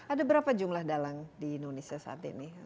ada berapa jumlah dalang di indonesia saat ini